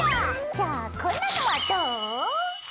じゃあこんなのはどう？